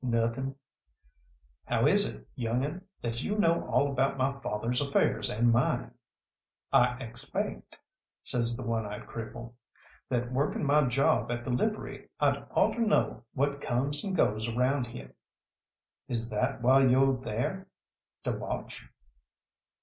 "Nothin'." "How is it, young un, that you know all about my father's affairs and mine?" "I expaict," says that one eyed cripple, "that working my job at the livery I'd oughter know what comes and goes around heah." "Is that why you're there to watch?"